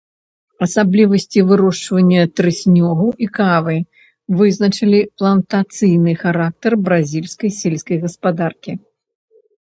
Асаблівасці вырошчвання трыснёга і кавы вызначылі плантацыйны характар бразільскай сельскай гаспадаркі.